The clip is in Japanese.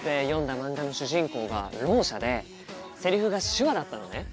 漫画の主人公がろう者でセリフが手話だったのね。